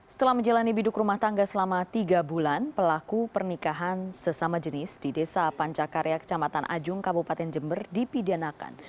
setelah menjalani biduk rumah tangga selama tiga bulan pelaku pernikahan sesama jenis di desa pancakarya kecamatan ajung kabupaten jember dipidanakan